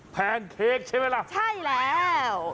แนนเค้กใช่ไหมล่ะใช่แล้ว